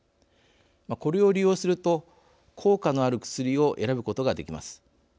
これを利用すると効果のある薬を選ぶことができます。